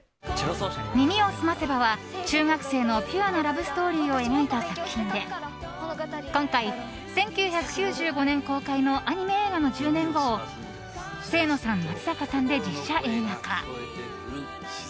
「耳をすませば」は中学生のピュアなラブストーリーを描いた作品で今回、１９９５年公開のアニメ映画の１０年後を清野さん、松坂さんで実写映画化。